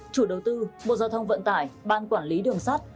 chủ đầu tư bộ giao thông vận tải ban quản lý đường sắt